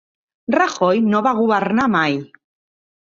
Rajoy no va governar mai